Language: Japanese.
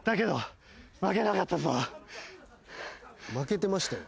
負けてましたよ。